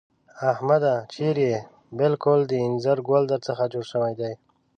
احمده! چېرې يې؟ بالکل د اينځر ګل در څخه جوړ شوی دی.